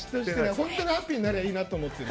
本当にハッピーになればいいなと思ってる。